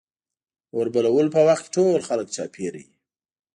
د اور بلولو په وخت کې ټول خلک چاپېره وي.